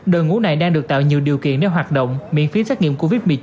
đội ngũ này đang được tạo nhiều điều kiện để hoạt động miễn phí xét nghiệm covid một mươi chín